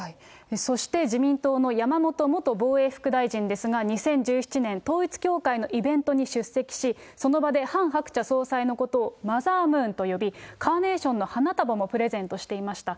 そして自民党の山本元防衛副大臣ですが、２０１７年、統一教会のイベントに出席し、その場でハン・ハクチャ総裁のことをマザームーンと呼び、カーネーションの花束もプレゼントしていました。